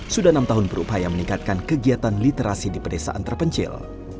sudah enam tahun berupaya meningkatkan kegiatan literasi di pedesaan terpencil